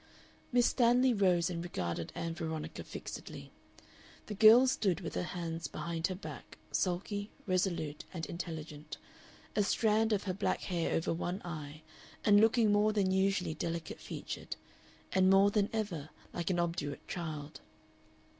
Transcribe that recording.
Miss Stanley rose and regarded Ann Veronica fixedly. The girl stood with her hands behind her back, sulky, resolute, and intelligent, a strand of her black hair over one eye and looking more than usually delicate featured, and more than ever like an obdurate child.